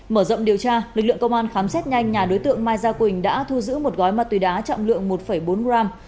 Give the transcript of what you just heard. mở rộng điều tra lực lượng công an khám xét nhanh nhà đối tượng mai gia quỳnh đã thu giữ một gói ma túy đá trọng lượng một bốn gram